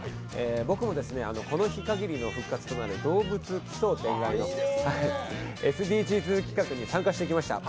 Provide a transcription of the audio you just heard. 僕もこの日かぎりの復活となる「どうぶつ奇想天外！」のＳＤＧｓ企画に参加してきました。